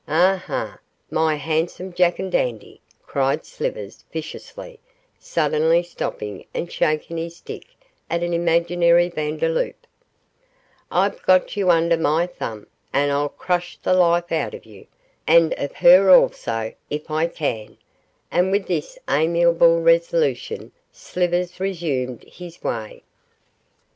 Aha! my handsome jackadandy,' cried Slivers, viciously, suddenly stopping and shaking his stick at an imaginary Vandeloup; 'I've got you under my thumb, and I'll crush the life out of you and of her also, if I can;' and with this amiable resolution Slivers resumed his way.